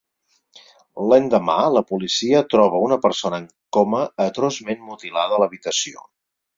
L'endemà la policia troba una persona en coma atroçment mutilada a l’habitació.